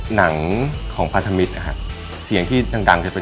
หนังของพันธมิตรนะครับ